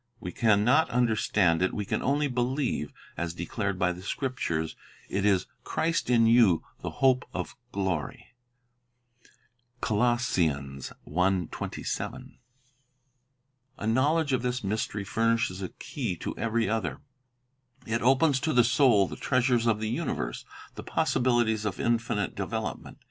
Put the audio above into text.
We can not understand it; we can only believe, as declared by the Scriptures, it is "Christ in you, the hope of glory." 2 A knowledge of this mystery furnishes a key to every other. It opens to the soul the treasures of the universe, the possibilities of infinite development.